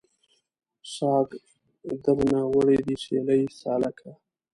ساګ درنه وړی دی سیلۍ سالکه